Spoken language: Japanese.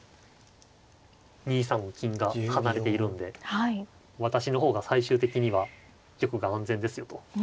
２三の金が離れているんで私の方が最終的には玉が安全ですよと。